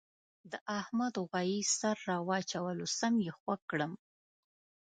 د احمد غوایه سر را واچولو سم یې خوږ کړم.